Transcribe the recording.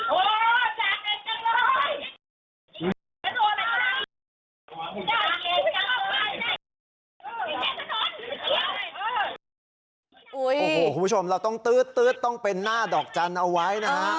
โอ้โหคุณผู้ชมเราต้องตื๊ดต้องเป็นหน้าดอกจันทร์เอาไว้นะฮะ